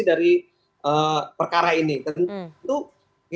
kita sudah melakukan klarifikasi dari perkara ini